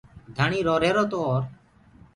ڌڻيٚ روهيرو تو اور